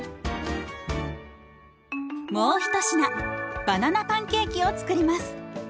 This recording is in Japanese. もう一品バナナパンケーキを作ります。